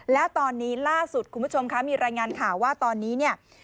แล้วตอนนี้ล่าสุดคุณผู้ชมคะมีรายงานข่าวว่าตอนนี้เนี่ย